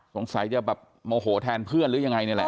สงสัยจะแบบโมโหแทนเพื่อนหรือยังไงนี่แหละ